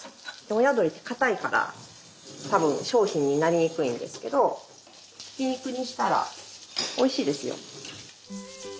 親鳥って硬いから多分商品になりにくいんですけどひき肉にしたらおいしいですよ。